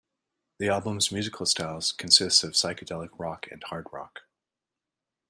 The album's musical styles consists of psychedelic rock and hard rock.